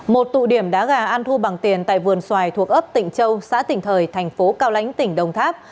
một tụ điểm đá gà ăn thu bằng tiền tại vườn xoài thuộc ấp tịnh châu xã tỉnh thời thành phố cao lãnh tỉnh đồng tháp